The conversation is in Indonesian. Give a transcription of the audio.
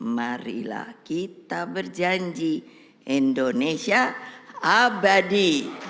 marilah kita berjanji indonesia abadi